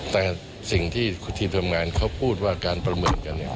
แต่สิ่งที่ทีมทำงานเขาพูดว่าการประเมินกันเนี่ย